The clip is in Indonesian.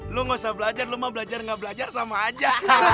lu gak usah belajar lu mau belajar gak belajar sama aja